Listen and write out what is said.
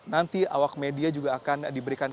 nanti awak media juga akan diberikan